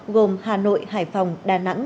gồm hà nội hải phòng đà nẵng